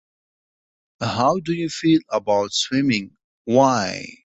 How do you feel about swimming? Why?